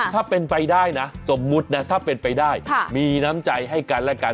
ถ้าเป็นไปได้นะสมมุตินะถ้าเป็นไปได้มีน้ำใจให้กันและกัน